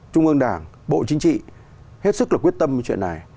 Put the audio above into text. trung ương đảng bộ chính trị hết sức quyết tâm với chuyện này